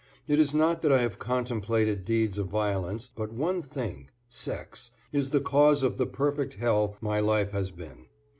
It is not that I have contemplated deeds of violence, but one thing, sex, is the cause of the perfect hell my life has been.